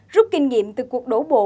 rút kinh nghiệm từ cuộc đổ bộ